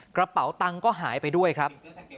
กระเป๋าตังค์ก็หายไปด้วยครับ